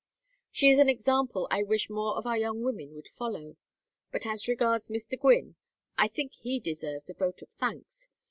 She is an example I wish more of our young women would follow. But as regards Mr. Gwynne: I think he deserves a vote of thanks.